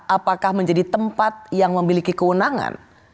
apakah menjadi tempat yang memiliki kewenangan